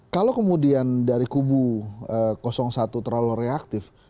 kalau kemudian dari kubu satu terlalu reaktif